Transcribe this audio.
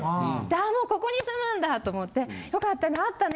あもうここに住むんだ！と思って「よかったねあったね